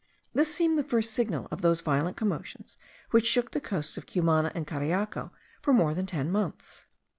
This seemed the first signal of those violent commotions which shook the coasts of Cumana and Cariaco for more than ten months.